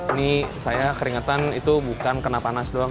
ini saya keringetan itu bukan kena panas doang